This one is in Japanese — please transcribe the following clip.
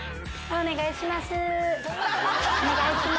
お願いします。